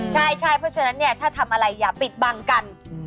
ใช่เพราะฉะนั้นเนี่ยถ้าทำอะไรอย่าปิดบังกัน